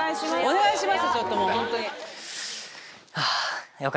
お願いします。